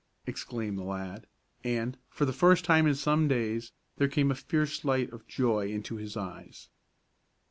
exclaimed the lad, and, for the first time in some days there came a fierce light of joy into his eyes.